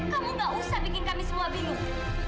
kamu gak usah bikin kami semua bingung